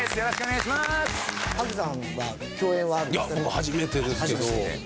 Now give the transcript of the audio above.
いや初めてですけど。